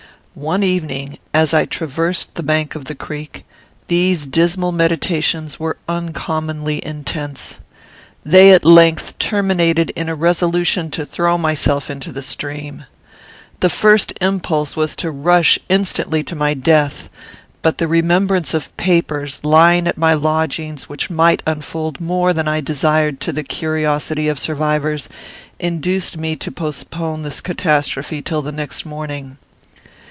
"One evening, as I traversed the bank of the creek, these dismal meditations were uncommonly intense. They at length terminated in a resolution to throw myself into the stream. The first impulse was to rush instantly to my death; but the remembrance of papers, lying at my lodgings, which might unfold more than I desired to the curiosity of survivors, induced me to postpone this catastrophe till the next morning.